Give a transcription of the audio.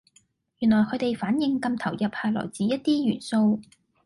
原來佢地反應咁投入係來自一啲元素